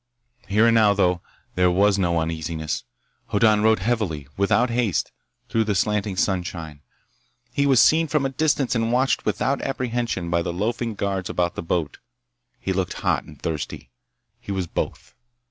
Here and now, though, there was no uneasiness. Hoddan rode heavily, without haste, through the slanting sunshine. He was seen from a distance and watched without apprehension by the loafing guards about the boat. He looked hot and thirsty. He was both.